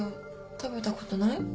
食べたことない？